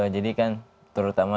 jadi kan terutama